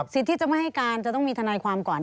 ที่จะไม่ให้การจะต้องมีทนายความก่อน